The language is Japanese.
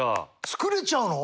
作れちゃうの？